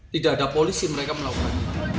tidak ada polisi mereka melakukan